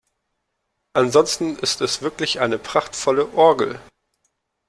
Ansonsten ist es wirklich eine prachtvolle Orgel.